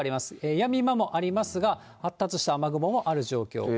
やみ間もありますが、発達した雨雲もある状況。